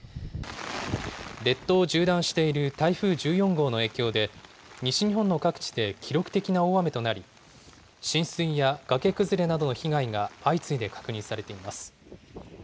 列島を縦断している台風１４号の影響で、西日本の各地で記録的な大雨となり、浸水や崖崩れなどの被害が相次いで確認されています。